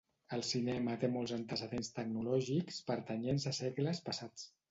El cinema té molts antecedents tecnològics pertanyents a segles passats.